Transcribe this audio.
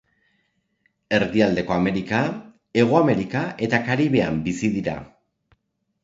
Erdialdeko Amerika, Hego Amerika eta Karibean bizi dira.